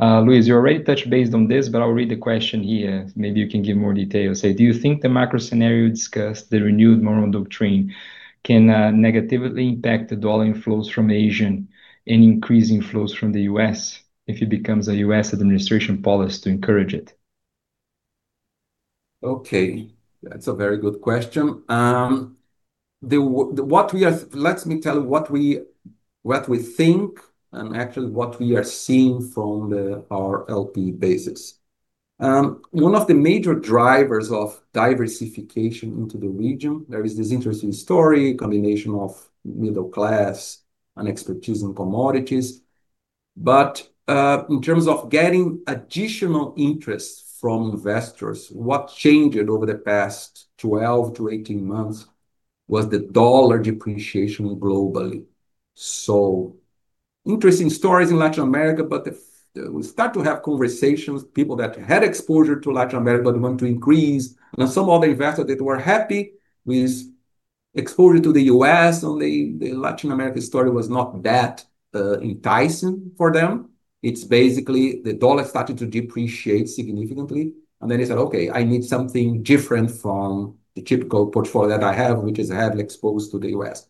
Luis, you already touched base on this, but I'll read the question here. Maybe you can give more details. Do you think the macro scenario discussed, the renewed Monroe Doctrine, can negatively impact the dollar inflows from Asia and increasing flows from the U.S. if it becomes a U.S. administration policy to encourage it? Okay. That's a very good question. Let me tell you what we think and actually what we are seeing from our LP basis. One of the major drivers of diversification into the region, there is this interesting story, combination of middle class and expertise in commodities. But in terms of getting additional interest from investors, what changed over the past 12-18 months was the dollar depreciation globally. So interesting stories in Latin America, but we start to have conversations, people that had exposure to Latin America but want to increase. And some other investors that were happy with exposure to the U.S. and the Latin America story was not that enticing for them. It's basically the dollar started to depreciate significantly. And then they said, okay, I need something different from the typical portfolio that I have, which is heavily exposed to the U.S.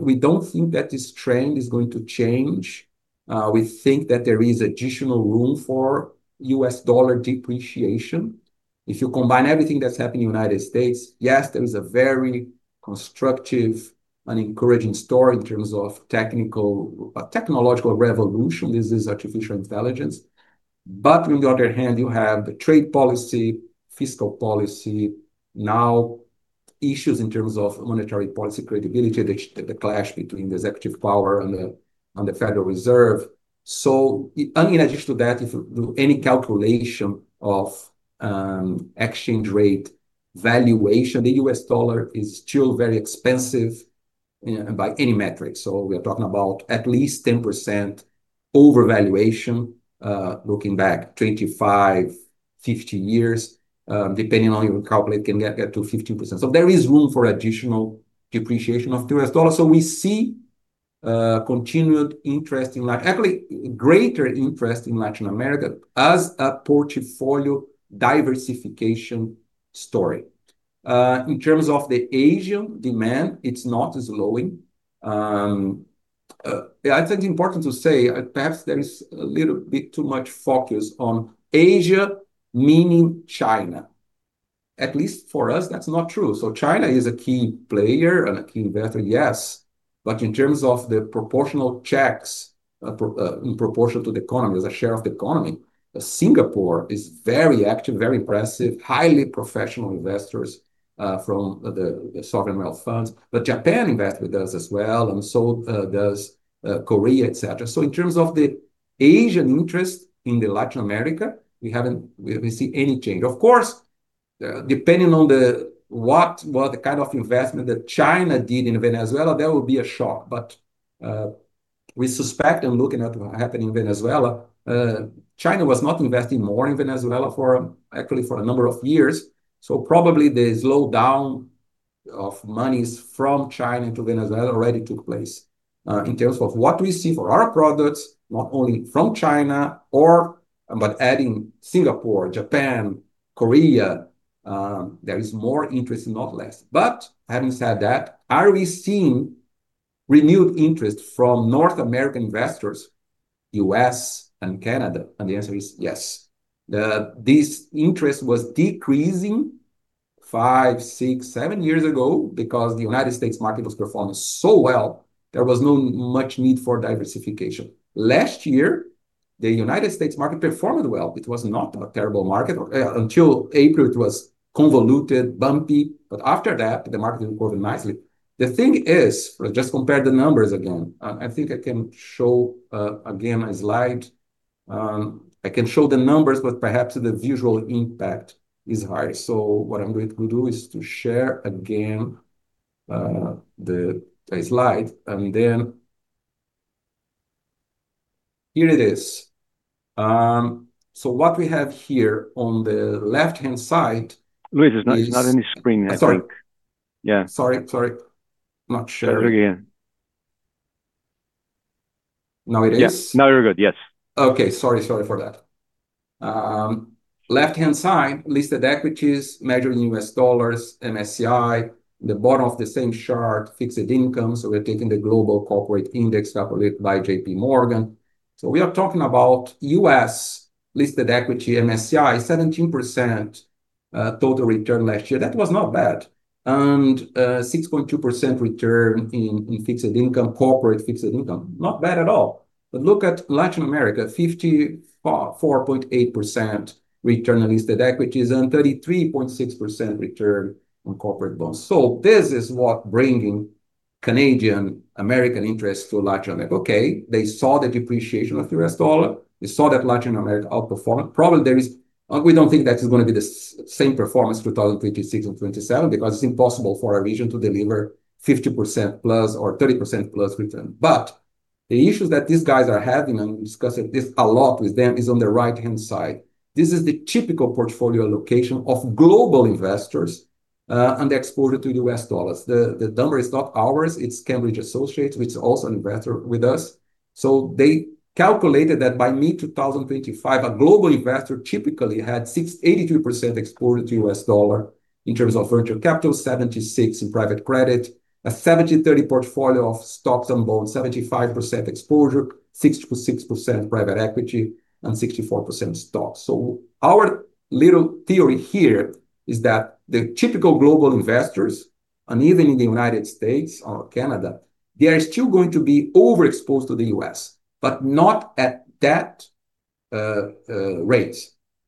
We don't think that this trend is going to change. We think that there is additional room for U.S. dollar depreciation. If you combine everything that's happening in the United States, yes, there is a very constructive and encouraging story in terms of technological revolution. This is artificial intelligence. But on the other hand, you have the trade policy, fiscal policy, now issues in terms of monetary policy credibility, the clash between the executive power and the Federal Reserve. So in addition to that, if you do any calculation of exchange rate valuation, the U.S. dollar is still very expensive by any metric. So we are talking about at least 10% overvaluation looking back 25, 50 years, depending on your calculation, it can get to 15%. So there is room for additional depreciation of the U.S. dollar. So we see continued interest in Latin, actually greater interest in Latin America as a portfolio diversification story. In terms of the Asian demand, it's not slowing. I think it's important to say, perhaps there is a little bit too much focus on Asia, meaning China. At least for us, that's not true. So China is a key player and a key investor, yes. But in terms of the proportional checks in proportion to the economy as a share of the economy, Singapore is very active, very impressive, highly professional investors from the sovereign wealth funds. But Japan invested with us as well, and so does Korea, et cetera. So in terms of the Asian interest in Latin America, we haven't seen any change. Of course, depending on what the kind of investment that China did in Venezuela, there will be a shock. But we suspect, and looking at what happened in Venezuela, China was not investing more in Venezuela for actually for a number of years. So probably the slowdown of monies from China into Venezuela already took place in terms of what we see for our products, not only from China, but adding Singapore, Japan, Korea, there is more interest, not less. But having said that, are we seeing renewed interest from North American investors, U.S. and Canada? And the answer is yes. This interest was decreasing five, six, seven years ago because the United States market was performing so well. There was no much need for diversification. Last year, the United States market performed well. It was not a terrible market. Until April, it was convoluted, bumpy. But after that, the market improved nicely. The thing is, just compare the numbers again. I think I can show again a slide. I can show the numbers, but perhaps the visual impact is higher. So what I'm going to do is to share again the slide. And then here it is. So what we have here on the left-hand side. Luis, there's not any screen, I think. Sorry. Yeah. Sorry, sorry. Not sharing. There we go. Now it is? Yes. Now you're good. Yes. Okay. Sorry, sorry for that. Left-hand side, listed equities measured in U.S. dollars, MSCI, the bottom of the same chart, fixed income. So we're taking the global corporate index by J.P. Morgan. So we are talking about U.S. listed equity, MSCI, 17% total return last year. That was not bad, and 6.2% return in fixed income, corporate fixed income. Not bad at all, but look at Latin America, 54.8% return on listed equities and 33.6% return on corporate bonds. So this is what's bringing Canadian and American interest to Latin America. Okay. They saw the depreciation of the U.S. dollar. They saw that Latin America outperformed. Probably there is, we don't think that's going to be the same performance in 2026 and 2027 because it's impossible for our region to deliver 50% plus or 30% plus return. But the issues that these guys are having, and I'm discussing this a lot with them, is on the right-hand side. This is the typical portfolio allocation of global investors and the exposure to the U.S. dollars. The number is not ours. It's Cambridge Associates, which is also an investor with us. So they calculated that by mid-2025, a global investor typically had 82% exposure to the U.S. dollar in terms of venture capital, 76% in private credit, a 70-30 portfolio of stocks and bonds, 75% exposure, 66% private equity, and 64% stocks. So our little theory here is that the typical global investors, and even in the United States or Canada, they are still going to be overexposed to the U.S., but not at that rate.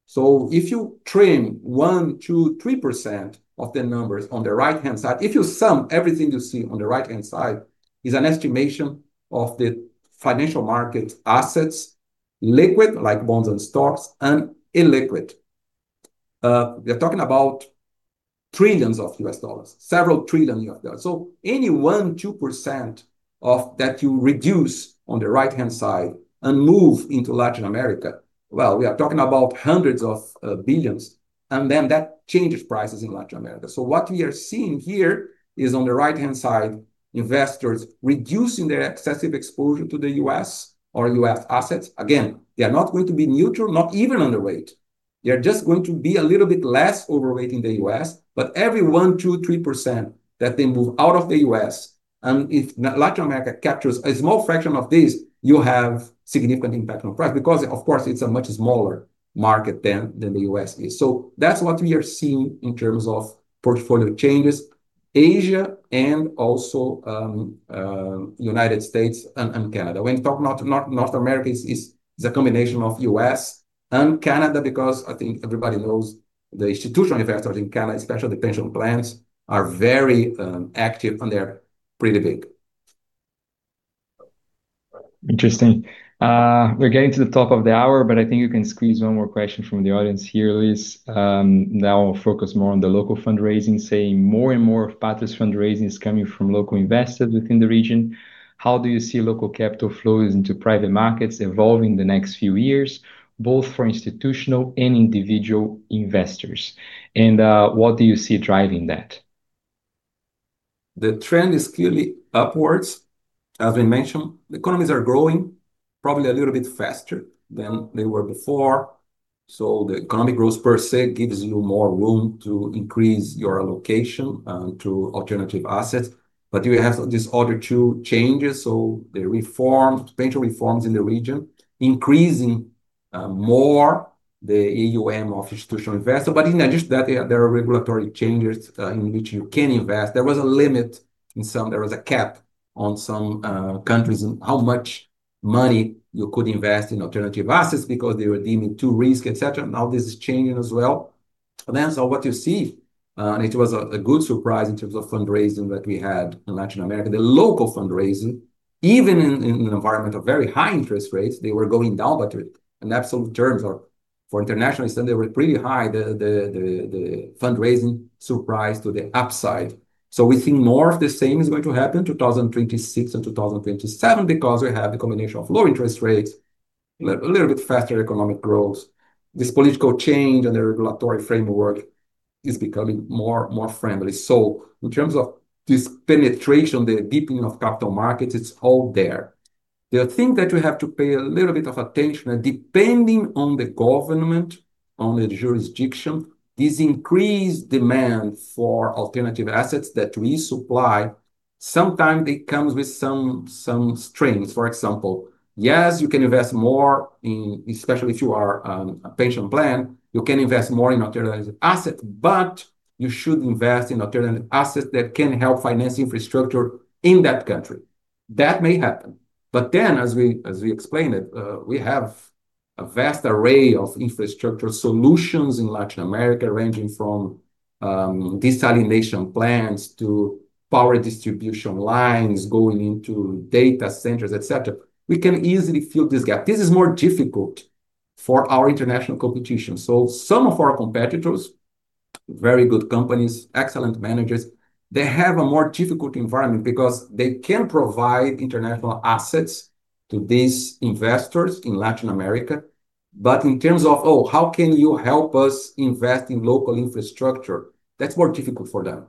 So if you trim 1%, 2%, 3% of the numbers on the right-hand side, if you sum everything you see on the right-hand side is an estimation of the financial market assets, liquid like bonds and stocks and illiquid. We are talking about trillions of U.S. dollars, several trillion U.S. dollars. So any 1%, 2% of that you reduce on the right-hand side and move into Latin America, well, we are talking about hundreds of billions. And then that changes prices in Latin America. So what we are seeing here is on the right-hand side, investors reducing their excessive exposure to the U.S. or U.S. assets. Again, they are not going to be neutral, not even underweight. They are just going to be a little bit less overweight in the U.S. But every 1%, 2%, 3% that they move out of the U.S., and if Latin America captures a small fraction of this, you have significant impact on price because, of course, it's a much smaller market than the U.S. is. So that's what we are seeing in terms of portfolio changes, Asia and also United States and Canada. When we talk North America, it's a combination of U.S. and Canada because I think everybody knows the institutional investors in Canada, especially the pension plans, are very active and they're pretty big. Interesting. We're getting to the top of the hour, but I think you can squeeze one more question from the audience here, Luis. Now I'll focus more on the local fundraising, saying more and more of Patria's fundraising is coming from local investors within the region. How do you see local capital flows into private markets evolving the next few years, both for institutional and individual investors? And what do you see driving that? The trend is clearly upwards. As I mentioned, the economies are growing probably a little bit faster than they were before, so the economic growth per se gives you more room to increase your allocation to alternative assets, but you have these other two changes, so the pension reforms in the region increasing more the AUM of institutional investors, but in addition to that, there are regulatory changes in which you can invest. There was a limit in some, there was a cap on some countries on how much money you could invest in alternative assets because they were deeming too risky, et cetera. Now this is changing as well, and so what you see, and it was a good surprise in terms of fundraising that we had in Latin America, the local fundraising, even in an environment of very high interest rates, they were going down. But in absolute terms or for international, they were pretty high. The fundraising surprised to the upside. So we think more of the same is going to happen in 2026 and 2027 because we have the combination of low interest rates, a little bit faster economic growth. This political change and the regulatory framework is becoming more friendly. So in terms of this penetration, the deepening of capital markets, it's all there. The thing that you have to pay a little bit of attention to, depending on the government, on the jurisdiction, this increased demand for alternative assets that we supply, sometimes it comes with some strings. For example, yes, you can invest more, especially if you are a pension plan. You can invest more in alternative assets, but you should invest in alternative assets that can help finance infrastructure in that country. That may happen. But then, as we explained, we have a vast array of infrastructure solutions in Latin America, ranging from desalination plants to power distribution lines going into data centers, et cetera. We can easily fill this gap. This is more difficult for our international competition. So some of our competitors, very good companies, excellent managers, they have a more difficult environment because they can provide international assets to these investors in Latin America. But in terms of, oh, how can you help us invest in local infrastructure? That's more difficult for them.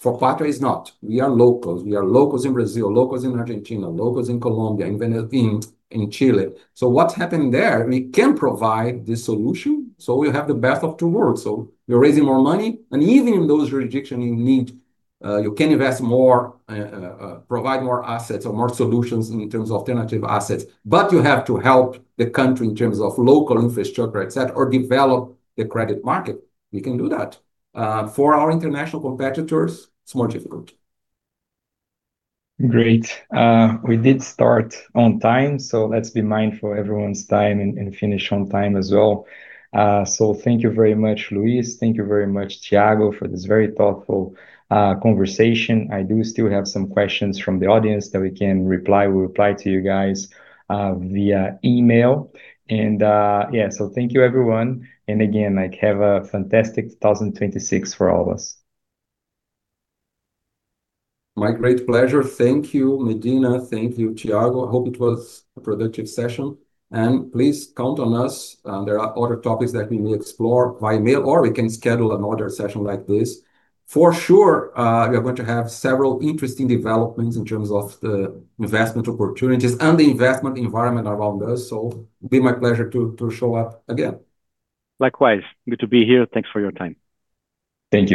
For Patria is not. We are locals. We are locals in Brazil, locals in Argentina, locals in Colombia, in Chile. So what's happening there? We can provide the solution. So we have the best of two worlds. So you're raising more money. And even in those jurisdictions, you need. You can invest more, provide more assets or more solutions in terms of alternative assets. But you have to help the country in terms of local infrastructure, et cetera, or develop the credit market. We can do that. For our international competitors, it's more difficult. Great. We did start on time, so let's be mindful of everyone's time and finish on time as well. Thank you very much, Luis. Thank you very much, Thiago, for this very thoughtful conversation. I do still have some questions from the audience that we can reply to. We'll reply to you guys via email. Yeah, thank you, everyone. Again, have a fantastic 2026 for all of us. My great pleasure. Thank you, Medina. Thank you, Thiago. I hope it was a productive session, and please count on us. There are other topics that we may explore via email, or we can schedule another session like this. For sure, we are going to have several interesting developments in terms of the investment opportunities and the investment environment around us, so it'll be my pleasure to show up again. Likewise. Good to be here. Thanks for your time. Thank you.